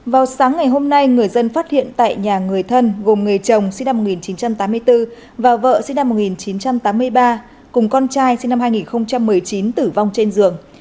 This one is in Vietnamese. vào sáng ngày hôm nay người dân phát hiện tại nhà người thân gồm người chồng sinh năm một nghìn chín trăm tám mươi bốn và vợ sinh năm một nghìn chín trăm tám mươi ba cùng con trai sinh năm hai nghìn một mươi chín tử vong trên giường